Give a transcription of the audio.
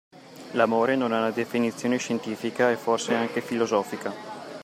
L'amore non ha una definizione scientifica e forse anche filosofica.